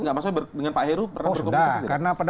nggak maksudnya dengan pak heru pernah berkomunikasi